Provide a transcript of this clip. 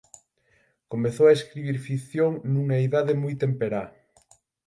Comezou a escribir ficción nunha idade moi temperá.